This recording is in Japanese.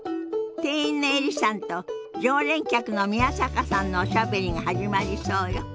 店員のエリさんと常連客の宮坂さんのおしゃべりが始まりそうよ。